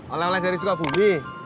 oleh oleh dari sukabubi